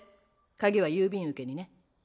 鍵は郵便受けにね。